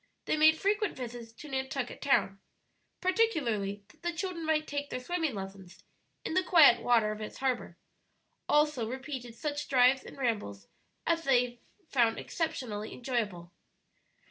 They made frequent visits to Nantucket Town, particularly that the children might take their swimming lessons in the quiet water of its harbor; also repeated such drives and rambles as they found exceptionably enjoyable.